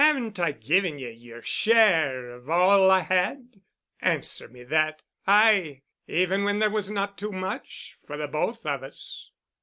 Haven't I given ye yer share of all I had? Answer me that—aye—even when there was not too much for the both of us?"